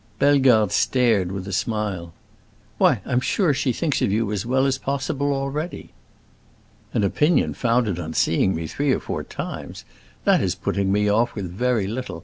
Bellegarde stared, with a smile. "Why, I'm sure she thinks as well of you as possible, already." "An opinion founded on seeing me three or four times? That is putting me off with very little.